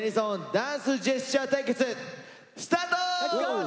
ダンスジェスチャー対決！」スタート！